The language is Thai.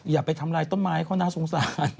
อย่าไปทำลายต้นไม้เขาน่าสงสาร